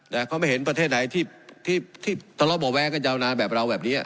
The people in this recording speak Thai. แต่เขาไม่เห็นประเทศไหนที่ตลอดบ่แว้งกันยาวนานแบบเราแบบนี้